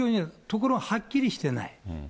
ところがはっきりしてない。